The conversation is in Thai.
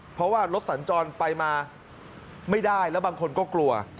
เพราะว่ารถสัญจรไปมาไม่ได้แล้วบางคนก็กลัว